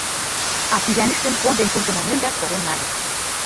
А кӱзанӱштым конден пуртымо мӧҥгак поген нальыч.